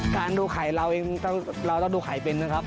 ดูไข่เราเองเราต้องดูไข่เป็นนะครับ